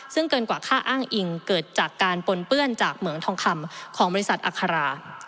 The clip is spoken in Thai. ซึ่งเกินกว่าค่าอ้างอิงเกิดจากการปนเปื้อนจากเหมืองทองคำของบริษัทอัครา